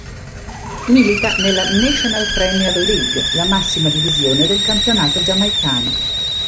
Milita nella National Premier League, la massima divisione del campionato giamaicano.